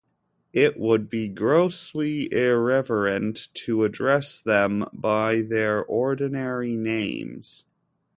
It would be grossly irreverent to address them by their ordinary names.